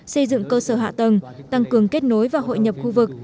xây dựng cơ sở hạ tầng tăng cường kết nối và hội nhập khu vực